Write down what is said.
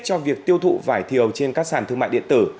cho việc tiêu thụ vải thiều trên các sản thương mại điện tử